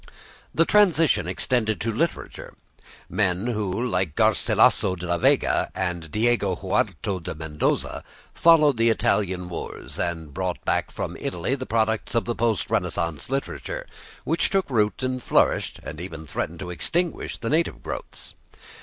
The transition extended to literature. Men who, like Garcilaso de la Vega and Diego Hurtado de Mendoza, followed the Italian wars, had brought back from Italy the products of the post Renaissance literature, which took root and flourished and even threatened to extinguish the native growths.